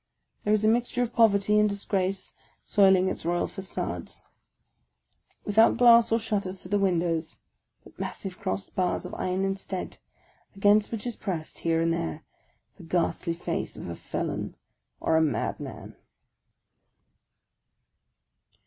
There is a mixture of poverty and disgrace soiling its royal f a9ades ; without glass or shutters to the windows, but massive crossed bars of iron instead, against which is pressed, here and there, the ghastly face of a felon or a madman.